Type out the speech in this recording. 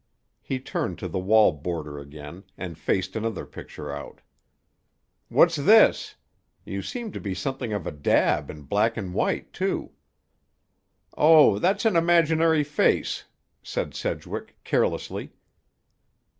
He turned to the wall border again, and faced another picture out. "What's this? You seem to be something of a dab in black and white, too." "Oh, that's an imaginary face," said Sedgwick carelessly.